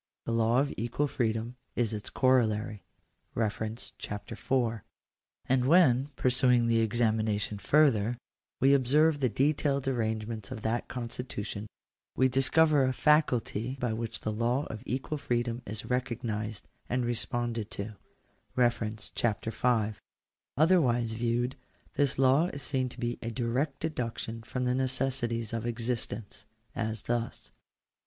the law of equal freedom is its corollary (Chap. IY). And when, pursuing the examination further, we observe the detailed arrangements of that constitution, we dis cover a faculty by which the law of equal freedom is recognised and responded to (Chap. V.). Otherwise viewed, this law is seen to be a direct deduction from the necessities of existence : as thus.